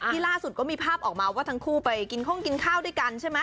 ล่าสุดก็มีภาพออกมาว่าทั้งคู่ไปกินห้องกินข้าวด้วยกันใช่ไหม